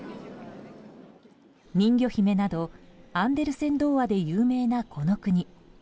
「人魚姫」などアンデルセン童話で有名なこの国。